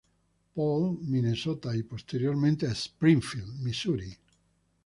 Paul, Minnesota, y posteriormente a Springfield, Misuri.